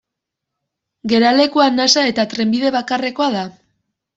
Geralekua nasa eta trenbide bakarrekoa da.